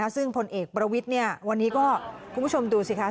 ซึ่งผลเอกประวิทย์วันนี้ก็คุณผู้ชมดูสิคะ